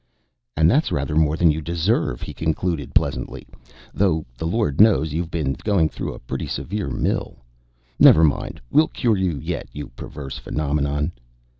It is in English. "And that's rather more than you deserve," he concluded, pleasantly, "though the Lord knows you've been going through a pretty severe mill. Never mind; we'll cure you yet, you perverse phenomenon."